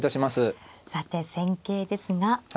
さて戦型ですが。